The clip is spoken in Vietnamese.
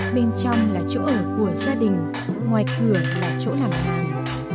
bên trong là chỗ ở của gia đình ngoài cửa là chỗ làm hàng